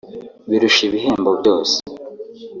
birusha ibihembo byose